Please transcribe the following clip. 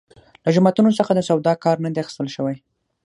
له جوماتونو څخه د سواد کار نه دی اخیستل شوی.